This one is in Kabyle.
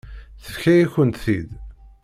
Tefka-yakent-t-id.